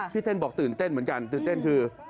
เต้นบอกตื่นเต้นเหมือนกันตื่นเต้นคือ